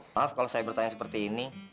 maaf kalau saya bertanya seperti ini